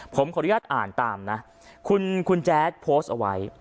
ผมขออนุญาตอ่านตามนะคุณแจ๊ดโพสต์เอาไว้